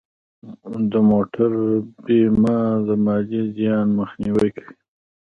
د موټر بیمه د مالي زیان مخنیوی کوي.